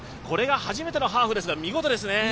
これが初めてのハーフですが見事ですね。